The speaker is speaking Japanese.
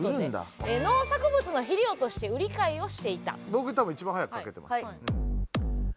僕多分一番早く書けてます。